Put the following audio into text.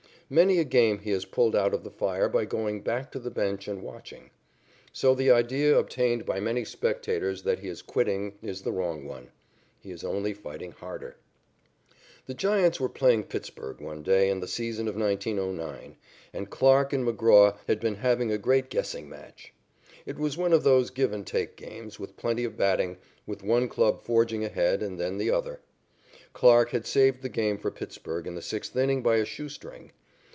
Many a game he has pulled out of the fire by going back to the bench and watching. So the idea obtained by many spectators that he is quitting is the wrong one. He is only fighting harder. The Giants were playing Pittsburg one day in the season of 1909, and Clarke and McGraw had been having a great guessing match. It was one of those give and take games with plenty of batting, with one club forging ahead and then the other. Clarke had saved the game for Pittsburg in the sixth inning by a shoe string.